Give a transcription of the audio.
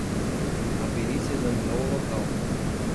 A perícia examinou o local.